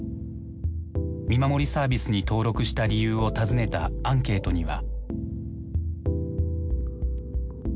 見守りサービスに登録した理由を尋ねたアンケートには。